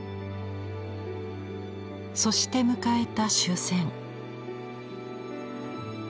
そして迎えた終戦。